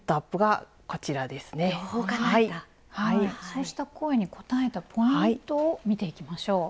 そうした声に応えたポイントを見ていきましょう。